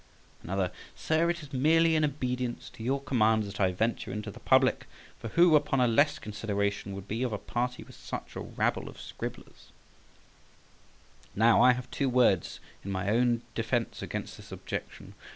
Another: "Sir, it is merely in obedience to your commands that I venture into the public, for who upon a less consideration would be of a party with such a rabble of scribblers," &c. Now, I have two words in my own defence against this objection.